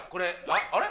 あれ？